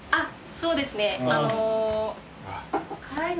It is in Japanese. そうですね。